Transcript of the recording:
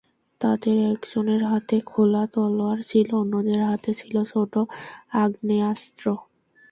তাঁদের একজনের হাতে খোলা তলোয়ার ছিল, অন্যদের হাতে ছিল ছোট আগ্নেয়াস্ত্র।